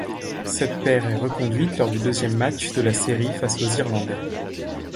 Cette paire est reconduite lors du deuxième match de la série face aux Irlandais.